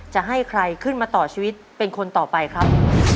จะให้ใครขึ้นมาต่อชีวิตเป็นคนต่อไปครับ